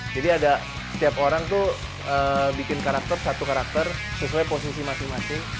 jadi ada setiap orang tuh bikin karakter satu karakter sesuai posisi masing masing